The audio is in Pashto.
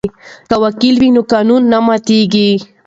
که وکیل وي نو قانون نه ماتیږي.